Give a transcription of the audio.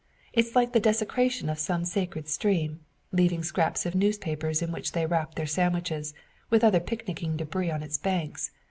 It's like the desecration of some sacred stream, leaving scraps of newspapers in which they wrap their sandwiches, with other picnicking debris on its banks!